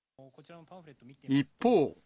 一方。